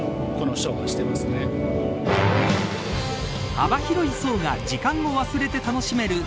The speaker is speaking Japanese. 幅広い層が時間を忘れて楽しめる